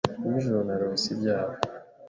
Nijoro narose ibyawe.